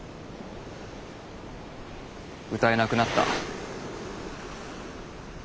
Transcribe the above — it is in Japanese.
歌えなくなった。